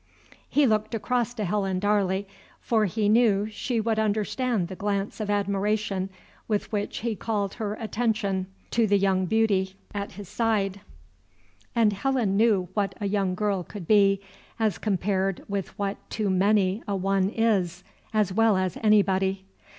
He looked across to Helen Darley, for he knew she would understand the glance of admiration with which he called her attention to the young beauty at his side; and Helen knew what a young girl could be, as compared with what too many a one is, as well as anybody.